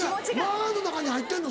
「ま」の中に入ってんの？